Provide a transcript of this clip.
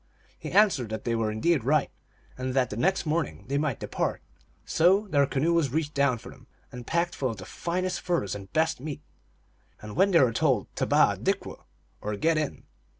He answered that they were indeed right, and that the next morning they might depart. So their canoe was reached down for them, and packed full of the finest furs and best meat, when they were told to tebaJi dikw , or get in.